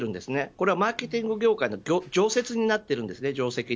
これはマーケティング業界の定石となっています。